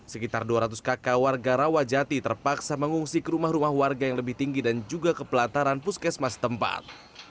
sekitar dua ratus kakak warga rawajati terpaksa mengungsi ke rumah rumah warga yang lebih tinggi dan juga ke pelataran puskesmas tempat